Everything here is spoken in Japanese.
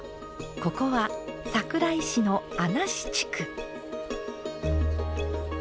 ここは桜井市の穴師地区。